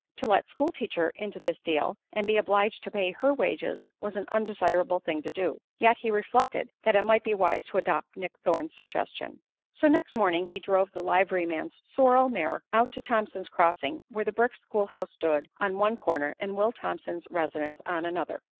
To let "school teacher" into this deal and be obliged to pay her wages was an undesirable thing to do; yet he reflected that it might be wise to adopt Nick Thorne's suggestion. So next morning he drove the liveryman's sorrel mare out to Thompson's Crossing, where the brick school house stood on one corner and Will Thompson's residence on another.